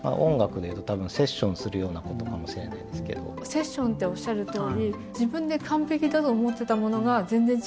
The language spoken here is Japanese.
セッションっておっしゃるとおり